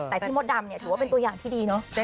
แต่พี่มดดำเนี่ยถือว่าเป็นตัวอย่างที่ดีเนอะ